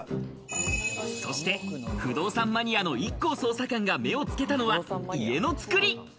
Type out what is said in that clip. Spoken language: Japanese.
そして不動産マニアのＩＫＫＯ捜査官が目をつけたのは家のつくり。